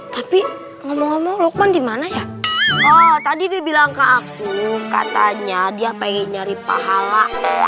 tapi ngomong ngomong lukman gimana ya oh ya tadi dia bilang ke aku katanya dia pengen nyari pahala